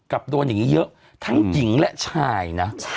กับดวนแห่งเยอะทั้งหญิงและชายนะ